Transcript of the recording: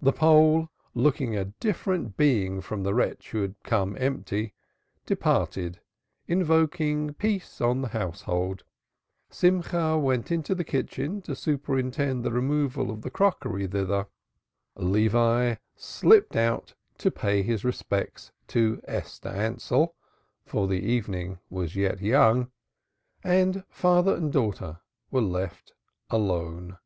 The Pole, looking a different being from the wretch who had come empty, departed invoking Peace on the household; Simcha went into the kitchen to superintend the removal of the crockery thither; Levi slipped out to pay his respects to Esther Ansell, for the evening was yet young, and father and daughter were left alone.